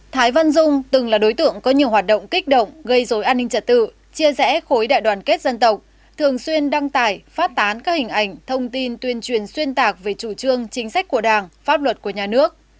thái văn dung từng là đối tượng có nhiều hoạt động kích động gây dối an ninh trật tự chia rẽ khối đại đoàn kết dân tộc thường xuyên đăng tải phát tán các hình ảnh thông tin tuyên truyền xuyên tạc về chủ trương chính sách của đảng pháp luật của nhà nước